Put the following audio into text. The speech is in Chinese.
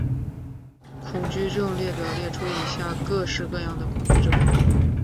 恐惧症列表列出以下各式各样的恐惧症。